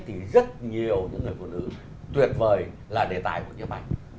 thì rất nhiều những người phụ nữ tuyệt vời là đề tài của nhiếp ảnh